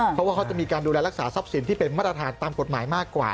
เพราะว่าเขาจะมีการดูแลรักษาทรัพย์สินที่เป็นมาตรฐานตามกฎหมายมากกว่า